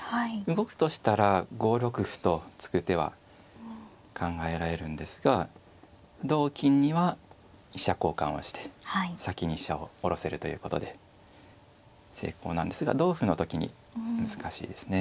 動くとしたら５六歩と突く手は考えられるんですが同金には飛車交換をして先に飛車を下ろせるということで成功なんですが同歩の時に難しいですね。